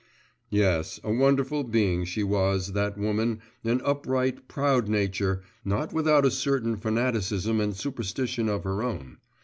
Yes, a wonderful being she was, that woman, an upright, proud nature, not without a certain fanaticism and superstition of her own.